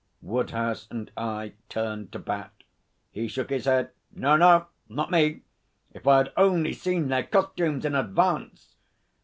Woodhouse and I turned to Bat. He shook his head. 'No, no! Not me.... If I had only seen their costumes in advance!'